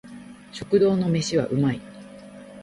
食堂の飯は美味い